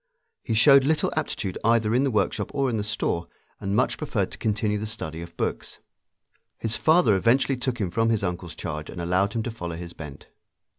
He showed little aptitude either in the workshop or in the store, and much preferred to continue the study of books. His father eventually took him from his uncle's charge and allowed him to follow his bent.